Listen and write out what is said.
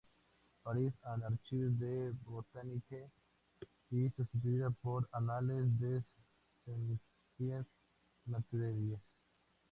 Paris and Archives de botanique" y sustituida por "Annales des sciences naturelles.